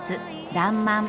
「らんまん」